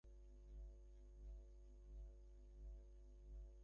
গ্রামবাসীদের সাহায্যে সেগুলি থেকেও প্রচুর ফলমূল পাওয়া যেত।